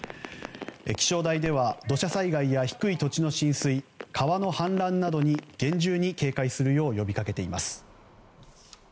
気象台では土砂災害や低い土地の浸水川の氾濫などに厳重に警戒するよう呼びかけています。